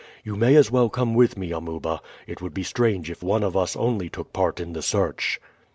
You may as well come with me, Amuba; it would be strange if one of us only took part in the search."